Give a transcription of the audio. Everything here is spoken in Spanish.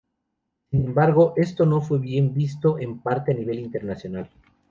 Sin embargo, esto no fue bien visto en parte a nivel internacional.